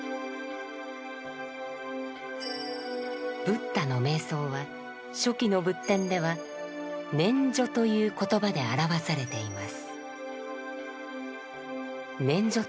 ブッダの瞑想は初期の仏典では「念処」という言葉で表わされています。